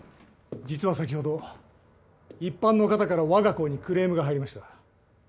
実は先ほど一般の方からわが校にクレームが入りました。